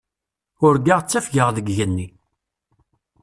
Urgaɣ ttafgeɣ deg yigenni.